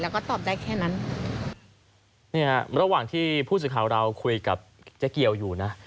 แล้วก็ตอบได้แค่นั้นเนี่ยระหว่างที่ผู้สื่อข่าวเราคุยกับเจ๊เกียวอยู่นะ